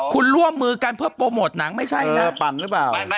คุณร่วมมือกันเพื่อโปรโมทหนังไม่ใช่ไหม